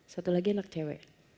satu lagi anak cewek